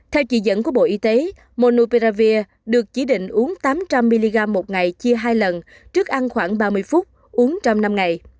theo chỉ dẫn của bộ y tế monuperavir được chỉ định uống tám trăm linh mg một ngày chia hai lần trước ăn khoảng ba mươi phút uống trăm năm ngày